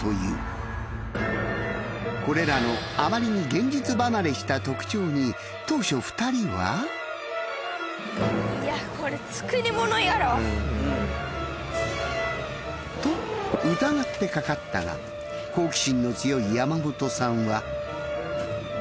これらのあまりにに当初２人は？と疑ってかかったが好奇心の強い山本さんは。